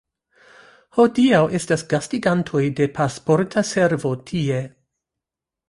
Hodiaŭ estas gastigantoj de Pasporta Servo tie.